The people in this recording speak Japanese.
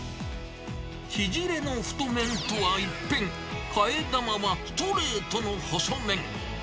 ちぢれの太麺とは一変、替え玉はストレートの細麺。